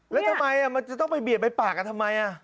แล้วทำไมมันจะต้องไปเบียดไปปากกันทำไม